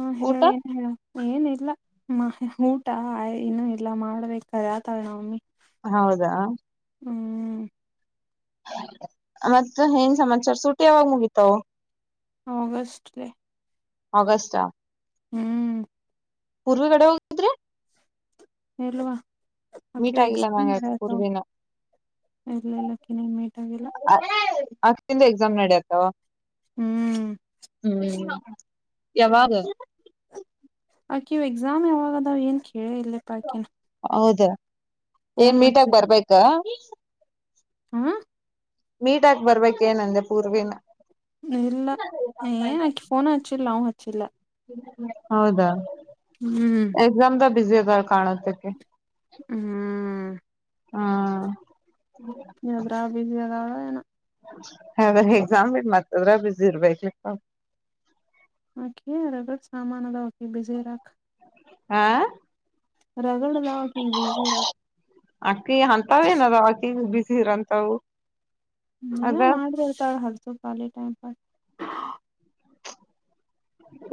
ಹಾ ಹೇಳು ಊಟ ಏನ್ ಹೇಳ್ ಏನಿಲ್ಲ ಮ ಊಟ ಇನ್ನು ಇಲ್ಲ ಮಾಡ್ಬೇಕು ಆತಾವ ನ ಮಮ್ಮಿ ಹೌದಾ ಹ್ಮ ಮತ್ತೆ ಹಏನ್ ಸಮಾಚಾರ ಸೂಟಿ ಯಾವಾಗ ಮುಗಿತು. ಆಗಸ್ಟ್ ಗೆ ಆಗಸ್ಟ್ ಹ್ಮ್ ಪೂರ್ವ ಕಡೆ ಹೋಗಿದ್ರಿ ಇಲ್ವಾ ಮೀಟ್ ಆಕೆಗೆ ಆಗಿಲ್ಲ ಎಕ್ಸಾಮ್ ನಂಗ ನಡತ್ತವ್ ಪೂರ್ವಿನ ಇಲ್ಲ ಇಲ್ಲ ಆಕೆನ ಮೀಟ್ ಆಗಿಲ್ಲ. ಅ ದಿಂದ ಎಕ್ಸಾಮ್ ನಡೆಯತವ್ ಹ್ಮ್ ಹ್ಮ್ ಯಾವಾಗ ಆಕೆವು ಎಕ್ಸಾಮ್ ಯಾವಾಗದಾವ್ ಏನ್ ಕೇಳಿ ಇಲ್ಲಪ್ಪಾ ಆಕೆನ ಹೌದಾ ಏನ್ ಮೀಟಾಗ ಹಚ್ಚಿದ ಬರ್ಬೇಕ ಹಾ ಮೀಟ್ ಹಾಕ್ ಬರ್ಬೇಕ್ ಏನಂದೆ ಪೂರ್ವಿನ ಇಲ್ಲ ಏನ್ ಆಕಿ ಫೋನ್ ಹಚ್ಚಿಲ್ಲ ನಾವು ಹಚ್ಚಿಲ್ಲ ಹೌದಾ ಹ್ಮ್ ಎಕ್ಸಾಮದಾಗ ಬಿಜಿ ಅದಾಳ ಕಾಣತಕ್ಕಿ ಹ್ಮ್ ಹಾ ಎದ್ರಾಗ ಬಿಜಿ ಅದಾಳ ಏನು ಹದ್ರೆ ಎಕ್ಸಾಮ್ ಇ ಮತ್ತ ಎದ್ರಗ ಬಿಸಿ ಇರ್ಬೇಕಪ್ಪ ಓಕೆ ಅ ಸಾಮಾನದ ಓಕೆ ಬಿಸಿರಾಕ್ ಆ ರಗಡ್ ಅದಾವ್ ಆಕೆಗೆ ಬಿಜಿ ಇರಾಕ್ ಅಕ್ಕಿಗ ಹಂತಾವ ಏನ ಅದವ ಆಕಿ ಬಿಸಿ ಇರಂತವು ನೀ ಅದ ಮಾಡ್ರಿರ್ತಾಳ [unintelligible] ಟೈಮ್ ಪಾಸ್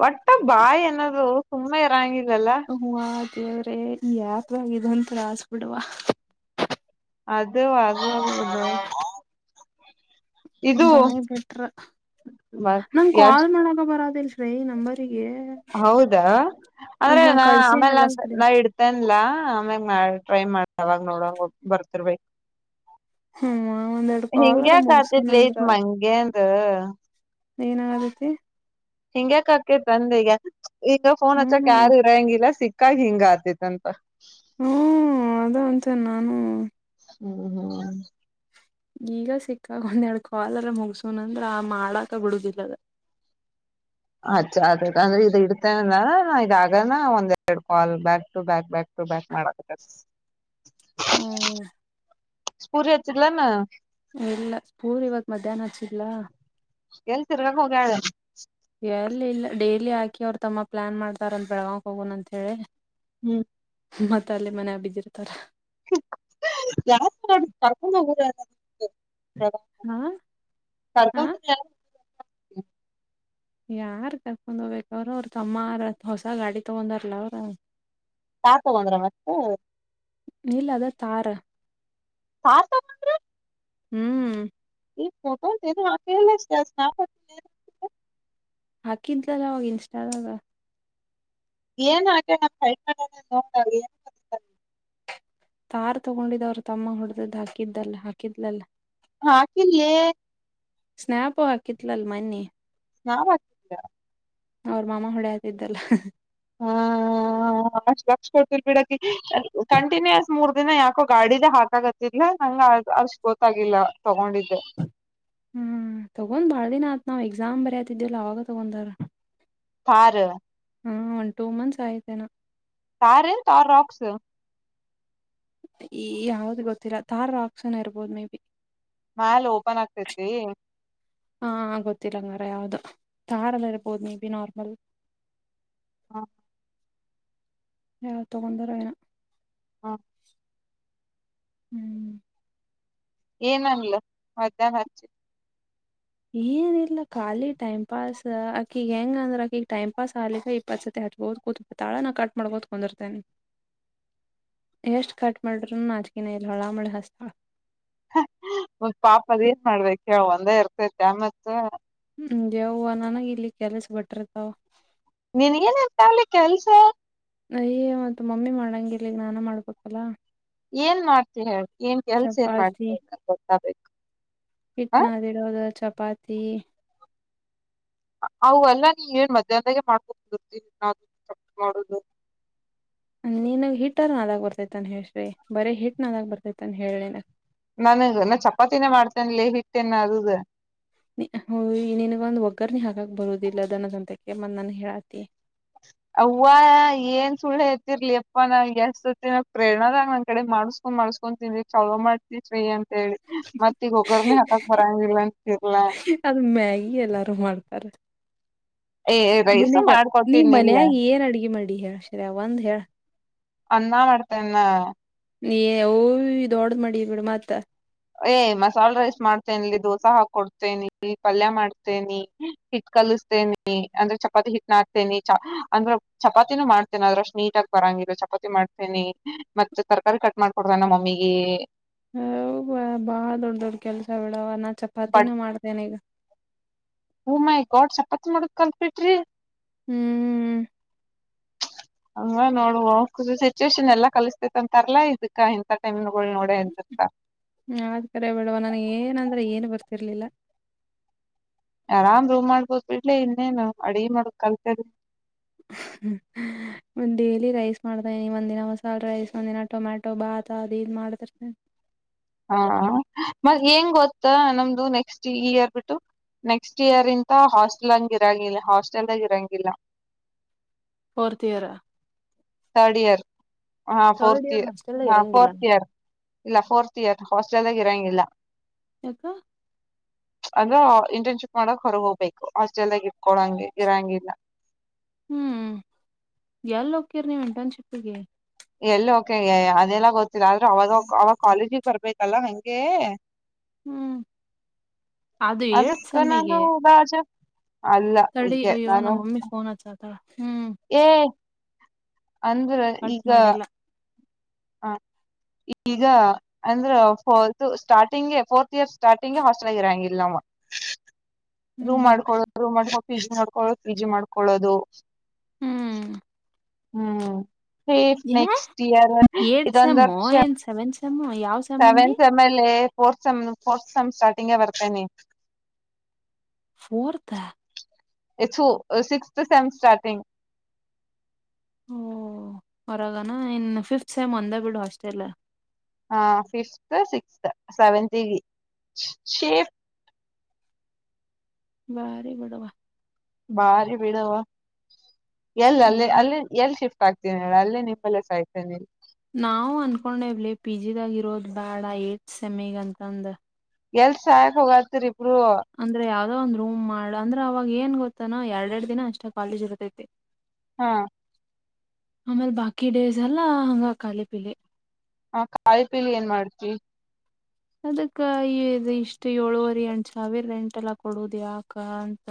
ಒಟ್ಟ ಬಾಯಿ ಅನ್ನೋದು ಸುಮ್ಮನೆ ಇರಂಗಿಲ್ಲಲ್ಲ ಅವ್ವ ದೇವರೇ ಯಾಕ ಇದೊಂದು ತ್ರಾಸ್ ಬಿಡುವ ಅದು ಅದು ಒಂದ [unintelligible] ಬಾಯ್ ಬಿಟ್ರ ನಂಗ ಎಷ್ಟ ಕಾಲ್ ಮಾಡಕ ಬರತೀಲ್ಲ ರೈ ನಂಬರಿಗೆ ಹೌದಾ ಅದ್ ಅಂದ್ರೆ ನಾ ಕಳ್ಸೇನಲ್ಲ ಆಮೇಲೆಂದ ಸ್ಕ್ರೀನ್ ನಾ ಇಡ್ ಮನ್ಲಾ ಆಮ್ಯಾಗ ಮಾಡ ಟ್ರೈ ಮಾಡ ಅವಾಗ ನೋಡ ಬರ್ತಿರ್ ಬೆಕ ಹ್ಮ ಒಂದೆರಡ್ ಕಾಲರ ಹಿಂಗ್ಯಾ ಕಾತೆ ಲೇ ಮುಗಸೇನಂದ್ರ. ಇದ ಮಗೆೆಂದ ಎನನಾಗಾದಕ್ಕಿ ಹಿಂಗ್ಯಾಕಕೇತಿ ಅಂದೆ ಈಗ ಈಗ ಫೋನ್ ಹ್ಮ್ ಹಚ್ಚಕ್ ಯಾರು ಇರ ಹಂಗಿಲ್ಲ ಸಿಕ್ ಕಾಗಿ ಹಿಂಗ ಆತೇತ ಅಂತ ಹ್ಮ್ ಅದ ಅಂತಿನ ನಾನು ಹ್ಮ್ ಹ್ಮ್ ಈಗ ಸಿಕ್ಕಾಗ ಒಂದೆರಡು ಕಾಲ್ ಮುಗಸುನ ಅಂದ್ರ ಆ ಮಾಡಾಕ ಬಿಡುದಿಲ್ಲದ ಅಚ್ಚಾ ಅದೇ ಅಂದ್ರೆ ಇದು ಇಡ್ತೇ ಅಂದ ನ ಇದ ಆಗನ ಒಂದೆರಡ್ call back to back back back ಮಾಡ ಹ್ಮ ಸ್ಪೂರಿ ಹಚ್ಚಲಾನ ಎಲ್ಲ ಸ್ಕೂರ್ ಇವತ್ ಮಧ್ಯಾಹ್ನ ಹಚ್ಚಿದಲ್ಲಾ ಎಲ್ಲಿ ತಿರ್ಗಾಕ ಹೋಗಿಯಾಳ ಎಲ್ಲಿಲ್ಲ ಡೇಲಿ ಹಾಕಿ ಅವ್ರು ತಮ್ಮ ಪ್ಲಾನ್ ಮಾಡ್ತಾರ ಅಂತ ಬೆಳಗಾವಕ್ ಹೋಗೋಣ ಅಂತ ಹೇಳಿ ಹ್ಮ್ ಮತ್ತ ಅಲ್ಲೇ ಮನ ಬಿದ್ದಿರ್ತಾರ ಯಾರ [unintelligible] ಹ್ಮ ಕರ್ಕೊಂಡ ಯ [unintelligible] ಯಾರ್ ಕರ್ಕೊಂಡ್ ಹೋಗ್ಬೇಕ ಅವ್ರ ಅವ್ರ ತಮ್ಮ ಹೊಸ ಗಾಡಿ ತಗೊಂಡಾರಲ ಅವ್ರ ಪಾಪಗಂ [unintelligible] ನೀಲ್ಲ ಅದ ತಾರ ಪಾಪ ಹ್ಮ್ ಈ ಫೋಟೋಸ್ ಏನೂ ಹಾಕೆ ಇಲ್ಲ [unintelligible] ಹಾಕಿದ್ಲಲ್ಲ ಅವಾಗ ಇನ್ಸ್ಟಾದಾಗ. ಏನೂ ಹಾಕಿಲ್ ನೋಡ್ [unintelligible] ತಾರ್ ತಗೊಂಡಿದವರ್ ತಮ್ಮ ಹೊಡದದ್ ಹಾಕಿದ್ದಲ್ಲ ಹಾಕಿದ್ಲಲ್ಲಾ. ಹು ಹಾಕಿಲ್ಲಯೇ. ಸ್ನ್ಯಾಪು ಹಾಕಿತ್ಲಲ್ ಮನ್ನಿ. ನಾವ ಅವ್ರ್ ಮಾಮ ಹೊಳೆ ಆತಿದ್ದಲ್ಲ. ಹಾ ಅಷ್ಟ್ ಲಕ್ಷ ಕೊಡ್ತಿಲ್ ಬಿಡಕಿ, ಕಂಟಿನ್ಯೂಸ್ ಮೂರ್ ದಿನ ಯಾಕೋ ಗಾಡಿದ ಹಾಕಾಗತ್ತ. ಇಲ್ಲ ನಂಗ ಅಷ್ಟ್ ಗೊತ್ತಾಗಿಲ್ಲ ತಗೊಂಡಿದ್ದೆ. ಹ್ಮ್ ತಗೊಂದ್ ಬಾಳ ದಿನ ಆತ್ ನಾವ್ ಎಕ್ಸಾಮ್ ಬರೆತಿದ್ಯವಲ್ಲ ಅವಾಗ ತಗೊಂದಾರ. ತಾರ್. ಹಾ ಒನ್ ಟೂ ಮಂತ್ಸ್ ಆಯ್ತೇನೊ. ತಾರ ತಾರಾಕ್ಸ್. ಈ ಯಾವ್ದ್ ಗೊತ್ತಿಲ್ಲ ತಾರ್ ರಾಕ್ಸನ ಇರ್ಬೋದು ಮೇ ಬಿ. ಮಾಲ್ ಓಪನ್ ಆಗ್ತೈತೀ? ಹಾ ಗೊತ್ತಿಲ್ಲಂಗಾರ ಯಾವ್ದು. ತಾರ್ ಎಲ್ಲ ಇರ್ಬೋದು ಮೇ ಬಿ ನಾರ್ಮಲ್. ಹಾ. ಯಾರ್ ತೊಗಂದಾರ ಏನಾ? ಹಾ. ಹ್ಮ್. ಏನಂದ್ಲು? ಮಧ್ಯಾಹ್ನ ಹಚ್ಚು. ಏನಿಲ್ಲ ಖಾಲಿ ಟೈಮ್ ಪಾಸಾ, ಅಕಿಗ ಹೆಂಗ ಅಂದ್ರ ಆಕಿಗಿ ಟೈಮ್ ಪಾಸ್ ಆಗ್ಲಿಕ ಇಪ್ಪತ್ ಸತಿ ಹಚ್ಕೊತಾ ಕೂತು. ತಾಳೆನ ಕಟ್ ಮಾಡ್ಕೋತ ಕುಂದುರ್ತೇನಿ. ಎಷ್ಟ್ ಕಟ್ ಮಾಡ್ರಿನು ನಾಚಿಕೆನ ಇಲ್ಲ. ಹೊಳ್ಳ ಮಳ್ಳಿ ಹಸ್ತಾಳ. ಹ್ಮ ಪಾಪ ಅದ ಏನ್ ಮಾಡ್ಬೇಕ್ ಹೇಳು ಒಂದ ಇರ್ತೈತ್ಯಾ ಮತ್ತ. ಹ್ಮ್ ದೆವ್ವ ನನಗ ಇಲ್ಲಿ ಕೆಲ್ಸ ಬಿಟ್ರತಾವ. ನೀನಗೇನ್ ಏನ್ತಾವಲ್ಲ ಕೆಲ್ಸ? ಅಯ್ಯೋ ಅದ್ ಮಮ್ಮಿ ಮಾಡಂಗಿಲ್ಲಿ ಈಗ್ಶ ನಾನೆ ಮಾಡ್ಬೇಕಲ್ಲಾ. ಏನ್ ಮಾಡ್ತಿ ಹೇಳ್ ಏನ್ ಕೆಲ್ಸ ಏನ್ ಚಪಾತಿ ಮಾಡ್ತ ಗೊತ್ತಾಗ್ಬೇಕು. ಹಿಟ್ ನದಿಡೋದು ಚಪಾತಿ ಅವೆಲ್ಲ ನೀ ಏನ್ ಮಧ್ಯಾಹ್ನಾಗೆ ಮಾಡ್ಕೋ [unintelligible] ಮಾಡುದು. ನೀನ್ಗ್ ಹಿಟ್ಟ್ ನಾದಕ್ ಬರ್ತೈತೇನ್ ಹೇಳ್ರೀ ಬರೇ ಹಿಟ್ ನಾದಾಕಾ ಬರ್ತೈತೇನ್ ಹೇಳಿಲ್ಲ. ನನ್ಗ ನ ಚಪಾತಿನೇ ಮಾಡ್ತೇನೆ ಲೇ ಹಿಟ್ಟೇನ್ ನಾದದು. ನಿನಗ ಒಂದು ಒಗ್ಗರ್ಣಿ ಹಾಕಕ್ ಬರುದಿಲ್ಲದನ್ನ ಸಂತಕ್ಕೆ ಮ ನನಗ್ ಹೇಳಾತಿ. ಅವ್ವ ಏನ್ ಸುಳ್ಳೆತಿರ್ಲಿ ಅಪ್ಪಾ ನಾ ಎಸ್ಸತಿ ನಾ ಪ್ರೇರಣದಾಗ ನನ್ ಕಡೆ ಮಾಡಿಸ್ ಮಾಡ್ಸ್ಕೊಂಡ್ ತಿಂದ್ವಿ ಚಲೋ ಮಾಡ್ತಿ ಶ್ರೇಯ ಅಂತೇಳಿ. ಮತ್ತೆ ಈಗ ಒಗ್ಗರ್ಣೆ ಹಾಕಕ್ ಬರಂಗಿಲ್ಲ ಅಂತೀರ್ಲಾ. ಅದು ಮ್ಯಾಗಿ ಎಲ್ಲಾರು ಮಾಡ್ತಾರ. ಏ ರೈಸ ನಿನಗ ನೀ ಮಾಡ್ಕೊಡ್ತೀನಿ ಇಲ್ಲ ಮನ್ಯಾಗ್ ಏನ್ ಅಡಿಗಿ ಮಾಡಿ ಹೇಳ್ ಶ್ರೇಯ ಒಂದ್ ಹೇಳ? ಅನ್ನ ಮಾಡ್ತೇನ ನಾ. ಏ ಅವ್ವೀ ದೊಡ್ದ್ ಮಾಡಿಯ ಬಿಡ ಮತ್ತ. ಏ ಮಸಾಲ್ ರೈಸ್ ಮಾಡ್ತೇನಿ, ಇಲ್ಲಿ ದೋಸಾ ಹಾಕೊಡ್ತೀನಿ, ಪಲ್ಯ ಮಾಡ್ತೇನಿ, ಹಿಟ್ ಕಲಿಸ್ತೇನಿ. ನಿ ಅಂದ್ರೆ ಚಪಾತಿ ಹಿಟ್ ನದ್ತಿನಿ ಚ, ಅಂದ್ರ. ಚಪಾತಿನೂ ಮಾಡ್ತೇನೆ ಅದ್ರೆ ಅಷ್ಟು ನೀಟಾಗಿ ಬರಂಗಿಲ್ಲ ಚಪಾತಿ ಮಾಡ್ತೇನಿ. ಮತ್ತ ತರಕಾರಿ ಕಟ್ ಮಾಡ್ಕೊಡ್ತ ನ ಮಮ್ಮಿಗೆ ಹಬ ಬಾಳ ದೊಡ್ಡ ದೊಡ್ಡ ಕೆಲ್ಸ ಬಿಡವಾ ನಾ ಚಪಾತಿನೇ ಮಾಡ್ತೇನೆ ಈಗ ಓ ಮೈ ಗಾಡ್ ಚಪಾತಿ ಮಾಡುದ್ ಕಲ್ತ್ಪಿಟ್ರಿ ಹ್ಮ್ ಹಂಗ ನೋಡು ಸಿಚುವೇಶನ್ ಎಲ್ಲಾ ಕಲ್ಸ್ತೇತ್ ಅಂತರ್ಲಾ ಇದಕ್ಕ ಇಂತ ಟೈಮ್ ನೋಡ ಎತ್ತ ಹ್ಮ ಆದ್ ಕರೆ ಬಿಡವಾ ನನ್ಗ್ ಏನಂದ್ರೆ ಏನು ಬರ್ತಿರ್ಲಿಲ್ಲ ಆರಾಮ್ ರೂಮ್ ಮಾಡ್ಬೋದು ಬಿಡ್ಲೆ ಇನ್ನೇನು ಅಡ್ಗಿ ಮಾಡಕ್ ಕಲ್ತರಿ ಡೈಲಿ ರೈಸ್ ಮಾಡ್ತ ಇದಿನಿ ಒಂದಿನ ಮಸಾಲೆ ರೈಸ್ ಒಂದಿನ ಟೊಮ್ಯಾಟ ಬಾತ ಅದ್ ಇದು ಮಾಡ್ತಿರ್ತಿನಿ ಹಾ ಮತ್ ಹೆಂಗ್ ಗೊತ್ತ ನಮ್ದು ನೆಕ್ಸ್ಟ್ ಈ ಇಯಿರ್ ಬಿಿಟ್ಟು ನೆಕ್ಸ್ಟ್ ಇಯರ್ ಇಂತ ಹಾಸ್ಟೆಲ್ ಹಂಗ ಇರಂಗಿಲ್ಲ ಹಾಸ್ಟೆಲ್ದಾಗ ಇರಂಗಿಲ್ಲ ಫೋರ್ತಿ ಇಯರ್ ಥರ್ಡ್ ಇಯರ್ ಹಾ ಫೋರ್ ಥರ್ಡ್ ಇಯರ್ ಇರ್ ಹಾಸ್ಟೆಲ್ ಹಾ ಇರಂಗಿಲ್ಲ ಫೋರ್ತ್ ಇಯರ್ ಇಲ್ಲ ಫೋರ್ತ್ ಇಯರ್ ಹಾಸ್ಟೆಲ್ದಾಗ ಇರಂಗಿಲ್ಲ ಯಾಕ ಅಂದ್ರ ಇಂಟರ್ನ್ಶಿಪ್ ಮಾಡಕ್ ಹೊರಗೆ ಹೋಗ್ಬೇಕು ಹಾಸ್ಟೆಲ್ ನಾಗ್ ಇಟ್ಕೊಳಂಗೆ ಇರಂಗಿಲ್ಲ ಹ್ಮ್ ಎಲ್ಲಿ ಹೊಕ್ಕಿರ್ ನೀವ್ ಇಂಟರ್ನ್ಯಾಶಿಪ್ ಗೆ ಎಲ್ಲಿ ಕೆ ಅದೆಲ್ಲ ಗೊತ್ತಿಲ್ಲ ಆದ್ರೆ ಅವಾಗ ಅವಾಗ ಕಾಲೇಜಿಗೆ ಬರ್ಬೇಕಲ್ಲ ಹಂಗೆ ಹ್ಮ್ ಅದು ಎಟಿತ್ ಸೇಮ್ ಗೆ ರಾಜ ತಡಿ ಅಯ್ಯೋ ನಮ್ಮ ಮಮ್ಮಿ ಫೋನ್ ಹಚ್ಚಾತರ ಹ್ಮ್ ಏ ಅಂದ್ರೆ ಕಟ್ ಮಾಡಿಲ್ಲ ಹಾ ಈಗ ಅಂದ್ರದು ಸ್ಟಾರ್ಟಿಂಗ್ಗೆ ಫೋರ್ತ್ ಇಯರ್ ಸ್ಟಾರ್ಟಿಂಗ್ಗೆ ಹಾಸ್ಟೆಲ್ ಆಗಿರಾಂಗಿಲ್ಲ ನಾವು [inaudible] ರೂಮ್ ಮಾಡ್ಕೊಳ್ಳೋರು ರೂಮ್ಕ ಮಾಡ್ಕೊಳದು ಪಿ. ಜಿ ಮಾಡ್ಕೊಳ್ಳೋರು ಪಿ. ಜಿ. ಮಾಡಕೊಳ್ಳೋದು ಹ್ಮ್ ಹ್ಮ್ ಸೇಫ ಯಾ ನೆಕ್ಸ್ಟ್ ಇಯರ್ ಇದೊಂದು ವರ್ಷ ಮ್ಮ ಯಾವ ಸೆಮ್ ಅಂದಿ ಸೆವೆಂತ್ ಸೇಮ್ ಎಲ್ಲೆ ಫೋರ್ತ್ ಸೇಮ್ ಫೋರ್ತ್ ಸೆಮ್ ಸ್ಟಾರ್ಟಿಂಗ್ಗೆ ಬರ್ತೇನಿ ಫೋರ್ತ್ ಏ ತು ಸಿಕ್ಸ್ತ್ ಸೇಮ್ ಸ್ಟಾರ್ಟಿಂಗ್ ಓ ಹೊರಗನಾ ಇನ್ ಫಿಫ್ತ್ ಸೇಮ್ ಒಂದ ಬಿಡು ಹಾಸ್ಟೆಲ್ ಹ ಫಿಫತ್ ಸಿಕ್ಸ್ತ್ ಸೆವೆಂತಿಗಿ ಶಿಫ್ಟ್ ಬಾರಿ ಬಿಡವಾ ಬಾರಿ ಬಿಡವಾ ಎಲ್ ಅಲ್ಲಿ ಹ್ಮ್ ಅಲ್ಲಿ ಎಲ್ ಶಿಫ್ಟ್ ಆಗ್ತನ ಹೇಳ ಅಲ್ಲೆ ನಿಂಬಲ್ಲೇ ಸಾಯ್ತೇನೆ ನಾವು ಅನ್ಕೊಂಡೆವ್ಲಿ ಪಿ. ಜಿ ದಾಗ ಇರೋದ್ ಬೇಡ ಏಟ್ ಸೆಮಿಗ್ ಅಂತಂದ ಎಲ್ ಸಾಯಕ್ ಹೋಗಾತಿರಿ ಇಬ್ರು ಅಂದ್ರೆ ಯಾವುದೋ ಒಂದ್ ರೂ್ಮ್ ಅಂದ್ರ ಅವಾಗ ಏನ್ ಗೊತ್ತಾನ ಎರಡ್ ಎರಡ್ ದಿನ ಅಷ್ಟ ಕಾಲೇಜ್ ಇರ್ತೈತಿ ಹಾ ಆಮೇಲ್ ಬಾಕಿ ಡೇಸ್ ಎಲ್ಲಾ ಹಂಗ ಖಾಲಿ ಪಿಲಿ ಹಾ ಖಾಲಿ ಪೀಲಿ ಏನ್ ಮಾಡ್ತಿ ಅದಕ್ಕ ಈ ಇಷ್ಟ ಏಳುವರೆ ಎಂಟ ಸಾವಿರ ರೆಂಟ್ ಎಲ್ಲ ಕೊಡುದ ಯಾಕ ಅಂತ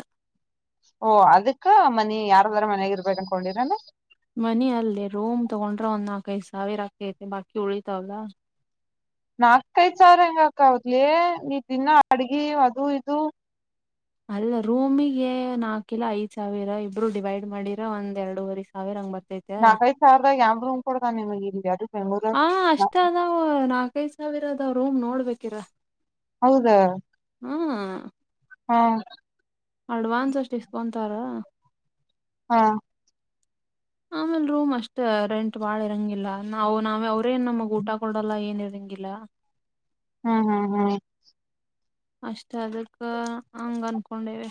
ಓ ಅದಕ್ಕ ಮನಿ ಯಾರದಾರ ಮನ್ಯಾಗ ಇರ್ಬೇಕ ಅನ್ಕೊಂಡಿರ ಏನ್. ಮನಿ ಅಲ್ಲೇ ರೂಮ್ ತಗೊಂಡ್ರೆ ಒಂದ್ ನಾಲ್ಕೈದು ಸಾವಿರ ಆಗ್ತೈತೆ ಬಾಕಿ ಉಳಿತಾವಲ್ಲಾ. ನಾಕೈದ್ ಸಾವಿರ ಹೆಂಗ [unintelligible] ನೀ ದಿನ ಅಡ್ಗಿ ಅದು ಇದು. ಅಲ್ಲ ರೂಮಿಗೆ ನಾಕು ಇಲ್ಲಾ ಐದ್ ಸಾವಿರ ಇಬ್ರು ಡಿವೈಡ್ ಮಾಡಿರ ಒಂದ್ ಎರಡೂವರೆ ಸಾವಿರ ಹಂಗ್ ಬರ್ತ ನಾಲ್ಕೈದ್ ಸಾವರದಾಗ ಯ ಎಂಬ್ ರೂಮ್ ಕೊಡದ ನಿಮಗೆ ಇ ಯಾರ ಮೆಮರಿಲ್ ನಾವವು ನಾಲ್ಕೈದು ಸಾವಿರ ಅದಾವ್ ರೂಮ್ ನೋಡ ಬೇಕಿರ. ಹೌದ. ಹ್ಮ್. ಹಾ. ಅಡ್ವಾನ್ಸ್ ಅಷ್ಟು ಇಸ್ಕೊಂತಾರ. ಹಾ. ಆಮೇಲ್ ರೂಮ್ ಅಷ್ಟ ರೆಂಟ್ ಬಾಳ ಇರಂಗಿಲ್ಲ ನಾವು ನಾವ ಅವ್ರ ಅವ್ರೆನ್ ನಮ್ಗ್ ಊಟ ಕೊಡಲ್ಲ ಏನ್ ಇರಂಗಿಲ್ಲ. ಹ್ಮ್ ಹ್ಮ್ ಹ್ಮ್. ಅಷ್ಟ ಅದಕ್ಕ ಹಂಗ ಅನ್ಕೊಂಡಿವಿ.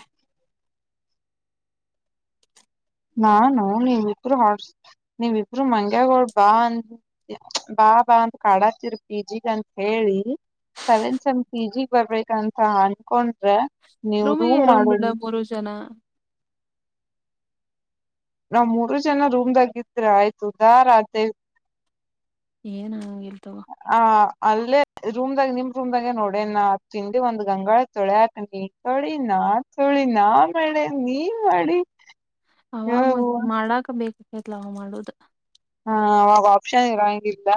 ನಾನು ನೀವ ಇಬರು ಹೊ ನೀವಿ ಇಬ್ಬರು ಮಂಗ್ಯಾಗೋಳ ಬಾ ಅಂ ಬಾ ಬಾ ಅಂತ ಕಾಡಾತಿರ್ ಪೀಜಿಗ ಅಂತ ಹೇಳಿ. ಸೆವೆಂತ್ ಸೇಮ್ ಪಿ ಜಿ ಬರ್ಬೇಕಂತ ಅನ್ಕೊಂಡ್ರೆ ನೀವು ರೂಮಿಗೆ ರೂಮ್ ಇರೋನ್ ಬಿಡ ಮಾಡೋನು. ಮೂರು ಜನ. ನಾವ್ ಮೂರು ಜನ ರೂಮ್ದಾಗ ಇದ್ರ ಆಯ್ತು ಉದಾರ ಆಗ್ತೇವಿ. ಏನ್ ಆಗಾಂಗಿಲ್ಲ ತೊಗೊ. ಆ ಅಲ್ಲೇ ರೂಮ್ದಾಗ ನಿಮ್ ರೂಮ್ದಾಗೆ ನೋಡೆನ ತಿಂಡಿ ಒಂದ್ ಗಂಗಾಳ ತೊಲ್ಯಾಕ್ ತೊಳಿ ನಾ ತೊಳಿ ನಾ ಮಾಡೆ ನೀ ಮಾಡಿ. ಹ ಅವಾಗ ಮತ್ತ್ ಮಾಡಕ ಬೇಕಕೈತ್ಲ ಅವಾಗ್ ಮಾಡದು. ಹಾ ಅವಾಗ ಆಪ್ಷನ್ ಇರಂಗಿಲ್ಲ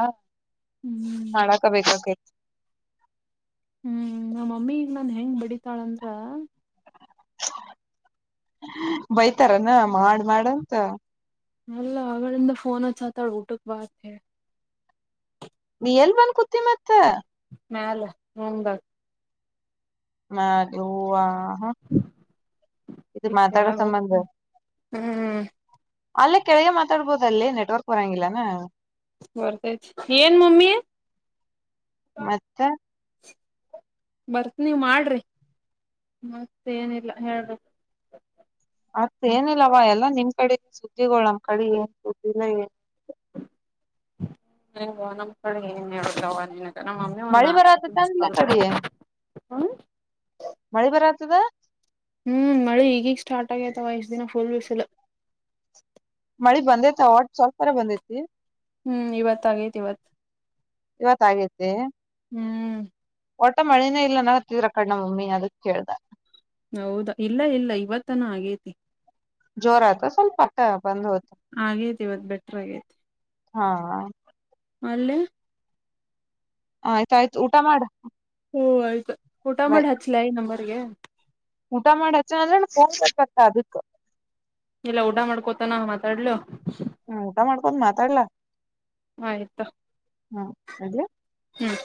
ಹ್ಮ್ ಮಾಡಕಬೇಕ ಆಗೇಕ್ಯ. ಹ್ಮ್ ನಮ್ಮ ಮಮ್ಮಿಗ್ ನನ್ ಹೆಂಗ್ ಬಡಿತಾಳಂದ್ರ. ಬೈತಾರನಾ ಮಾಡ ಮಾಡಂತ. ಅಲ್ಲ ಆಗಳಿಂದ ಫೋನ್ ಹಚಾತಾಳ ಊಟಕ್ ಬಾ ಅಂತ ಹೇಳಿ. ನಿ ಎಲ್ ಬಂದ ಕುೂತಿ ಮತ್ತ. ಮ್ಯಾಲ ರೂಮ್ದಾಗ್. ಮ್ಯಾಗ ಯವ್ವಾ ಇದ ಈಗ ಮಾತಾಡೋ ಕೆಳಗ ಹೋಗ್ ಸಂಬಂಧ. ಹ್ಮ್. ಅಲ್ಲೇ ಕೆಳಗೆ ಮಾತಾಡ್ಬೋದು ಅಲ್ಲಿ ನೆಟ್ವರ್ಕ್ ಹೊರಂಗಿಲ್ಲ ಏನ. ಬರ್ತೈತಿ ಏನ್ ಮಮ್ಮಿ. ಮತ್ತ. ಬರ್ತ್ನ ನೀವ ಮಾಡ್ರಿ ಮತ್ತೆ ಏನಿಲ್ಲ ಹೇಳ್ರಿ. ಅತ್ ಏನಿಲ್ಲವಾ ಎಲ್ಲಾ ನಿಮ್ ಕಡೆ ಸುದ್ದಿಗಳು ನಮ್ಮ್ ಕಡೆ ಏನ್ ಸುದ್ದಿ ಇಲ್ಲ ಏ [inaudible] ನಮ್ಮ್ ಕಡೆ ಏನ್ ಹೇಳುತ್ತವ ನೀನಗ್. ನಮ್ಮ್ ಮಮ್ಮಿ ಒಂದು ಮಳಿ ನಾಕ್ ಸತಿ ಬರತ್ತದ ಮಿಸ್ ಅಂದ್ಲ ಕಾಲ್ ಕಡೆ ಮಾಡ್ಯಾಳ ಹ. ಮಳಿ ಬರಾತದ. ಹ್ಮ್ ಮಳೆ ಈಗ್ ಈಗ ಸ್ಟಾರ್ಟ್ ಆಗೇತವ ಇಷ್ಟ್ ದಿನ ಫುಲ್ ಬಿಸಿಲ. ಮಳಿ ಬಂದೈತ ಒಟ್ಟ ಸ್ವಲ್ಪರ ಬಂದೈತಿ. ಹ್ಮ್ ಇವತ್ ಆಗೈತ್ ಇವತ್ ಇವತ್ತ ಆಗೈತೆ. ಹ್ಮ್ ಒಟ್ಟ ಮಳಿನೇ ಇಲ್ಲ ಅನ್ನಾಕತ್ತಿದ್ರ ಆಕಡೆ ನಮ್ಮ್ ಮಮ್ಮಿ ಅದಕ್ ಕೇಳ್ದ. ಹೌದ ಇಲ್ಲ ಇಲ್ಲ ಇವತ್ತನ ಆಗೇತಿ. ಜೋರ ಆಯ್ತಾ ಸ್ವಲ್ಪ ಅಟ್ ಬಂದ್ ಹೋ್ತ ಆಗೇತಿ ಇವತ್ ಬೆಟರ್ ಆಗೇೈತಿ ಹಾ ಅಲ್ಲೆ ಆಯ್ತ ಆಯ್ತು ಊಟಾ ಮಾಡ ಹಓ ಆಯ್ತು ಊಟ ಬಾಯ್ ಮಾಡಿ ಹಚ್ಲ ಈ ನಂಬರ್ಗೆ ಊಟ ಮಾಡ ಹಚ್ಚನ ಅಂದ್ರೆ [unintelligible] ಅದಕ್ ಇಲ್ಲ ಊಟಾ ಮಾಡ್ಕೋತಾನ ಮಾತಾಡ್ಲು ಹ್ಮ ಊಟ ಮಾಡ್ಕೊಂತ್ ಮಾತಾಡ್ಲಾ ಆಯ್ತು ಹ್ಮ್ ಹ್ಮ್